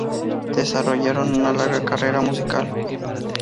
Desarrollaron una larga carrera musical.